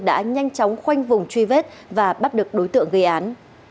đã nhanh chóng khoanh vùng truy vết và bắt được đối tượng gây án